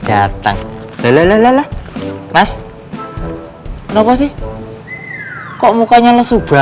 jangan jangan ayu nya mati ya